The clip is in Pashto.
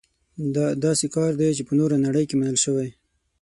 دا داسې کار دی چې په نوره نړۍ کې منل شوی.